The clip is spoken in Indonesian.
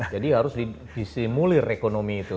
jadi harus disimulir ekonomi itu